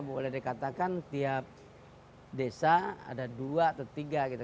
boleh dikatakan tiap desa ada dua atau tiga gitu